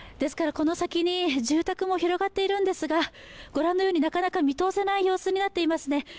この先に住宅も広がっているんですが、なかなか見通せない様子になっていますね。